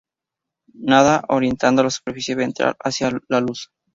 Nadan orientando la superficie ventral hacia la luz.